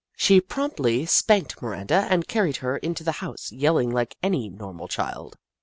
She promptly spanked Miranda and carried her into the house, yelling like any normal child.